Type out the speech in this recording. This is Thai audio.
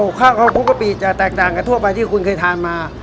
ข้าวข้าวเคราะห์ฟุกกะปิจะแตกต่างกับทั่วไปที่คุณเคยทานมา